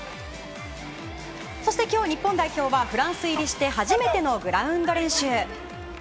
そして今日日本代表はフランス入りして初めてのグラウンド練習。